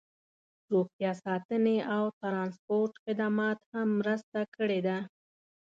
روغتیا ساتنې او ټرانسپورټ خدماتو هم مرسته کړې ده